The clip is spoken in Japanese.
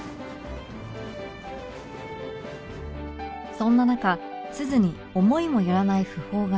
そんな中鈴に思いもよらない訃報が